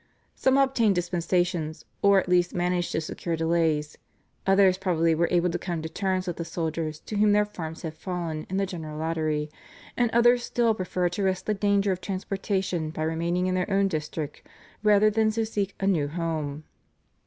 Some obtained dispensations or at least managed to secure delays; others probably were able to come to terms with the soldiers to whom their farms had fallen in the general lottery, and others still preferred to risk the danger of transportation by remaining in their own district rather than to seek a new home.